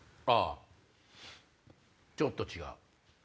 あっちょっと違う。